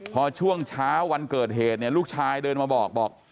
พอช่วงเช้าวันเกิดเหตุเนี่ยลูกชายเดินมาบอกบอก